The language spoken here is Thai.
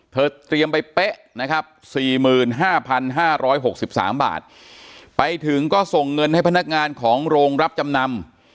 เตรียมไปเป๊ะนะครับ๔๕๕๖๓บาทไปถึงก็ส่งเงินให้พนักงานของโรงรับจำนำ